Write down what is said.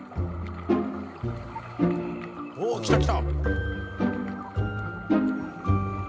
おっ来た来た。